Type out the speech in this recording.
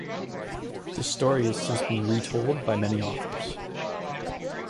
The story has since been retold by many authors.